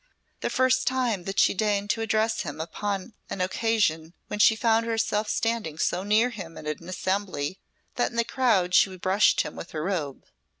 The first time that she deigned to address him was upon an occasion when she found herself standing so near him at an assembly that in the crowd she brushed him with her robe.